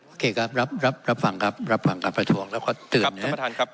โอเคครับรับฟังครับรับฟังกับประทวงแล้วก็เตือนนะครับครับท่านประทานครับ